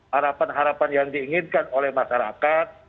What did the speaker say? harapan harapan yang diinginkan oleh masyarakat